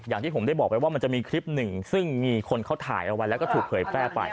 อย่างที่ผมได้บอกไปว่ามันจะมีคลิปหนึ่งซึ่งมีคนเขาถ่ายเอาไว้แล้วก็ถูกเผยแพร่ไป